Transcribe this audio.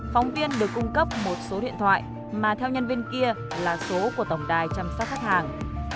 phóng viên được cung cấp một số điện thoại mà theo nhân viên kia là số của tổng đài chăm sóc khách hàng